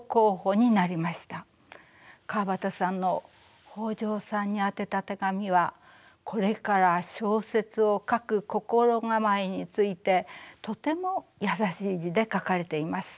川端さんの北条さんに宛てた手紙はこれから小説を書く心構えについてとても優しい字で書かれています。